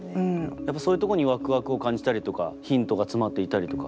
やっぱそういうとこにワクワクを感じたりとかヒントが詰まっていたりとか？